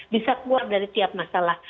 bisa keluar dari tiap masalah